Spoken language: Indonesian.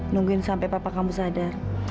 nungguin sampai papa kamu sadar